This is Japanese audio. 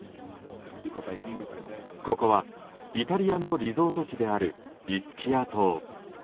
ここはイタリアのリゾート地であるイスキア島。